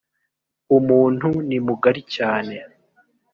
umuntu ni mugari cyane.